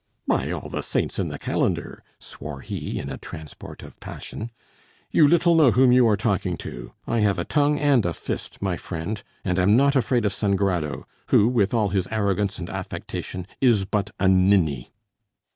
"By all the saints in the calendar," swore he in a transport of passion, "you little know whom you are talking to! I have a tongue and a fist, my friend; and am not afraid of Sangrado, who with all his arrogance and affectation is but a ninny."